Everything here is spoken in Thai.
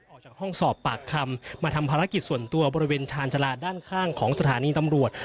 ออกจากห้องสอบปากคำมาทำภารกิจส่วนตัวบริเวณชาญชาลาด้านข้างของสถานีตำรวจ